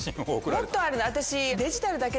もっとあるの私。